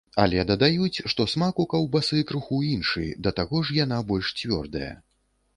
Але дадаюць, што смак у каўбасы крыху іншы, да таго ж, яна больш цвёрдая.